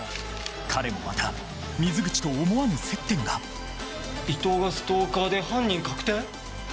彼もまた水口と思わぬ接点が伊藤がストーカーで犯人確定？